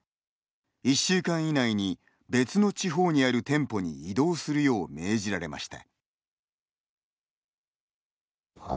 １週間以内に別の地方にある店舗に異動するよう命じられました。